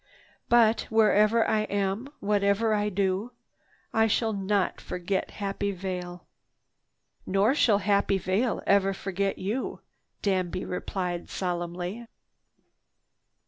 But wherever I am, whatever I do, I shall not forget Happy Vale." "Nor shall Happy Vale ever forget you," Danby replied solemnly.